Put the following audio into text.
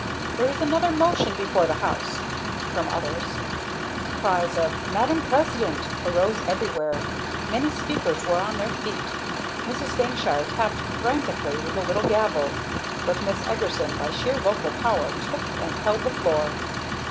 "There is another motion before the house," from others. Cries of "Madam President" arose everywhere, many speakers were on their feet. Mrs. Dankshire tapped frantically with the little gavel, but Miss Eagerson, by sheer vocal power, took and held the floor.